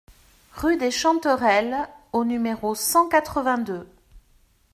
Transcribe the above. Rue des Chanterelles au numéro cent quatre-vingt-deux